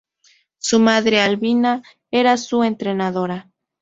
Su madre Albina, era su entrenadora.